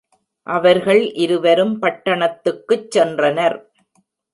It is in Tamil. அவர்கள் இருவரும் பட்டணத்துக்குச் சென்றனர்.